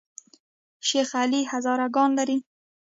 شیخ علي هزاره ګان لري؟